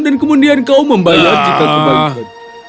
dan kemudian kau membayar jika kebalikannya